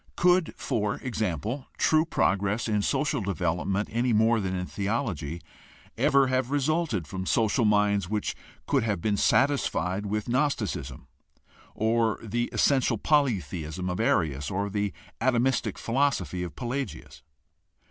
Could, for example, true progress in social development, any more than in theology, ever have resulted from social minds which could have been satisfied with gnosticism or the essential polytheism of Arius or the atomistic philosophy of Pelagius